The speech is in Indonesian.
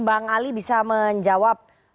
bang ali bisa menjawab